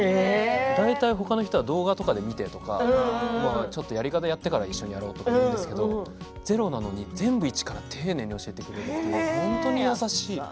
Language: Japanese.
大体、他の人は動画とかで見てとかちょっとやり方やってから一緒にやろうというんですけどゼロなのに全部一から丁寧に教えてくれて本当に優しい。